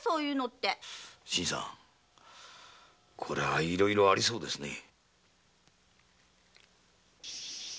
これはいろいろありそうですね。